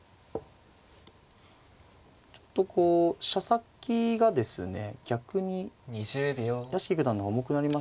ちょっとこう飛車先がですね逆に屋敷九段の方重くなりましたから。